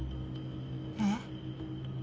えっ？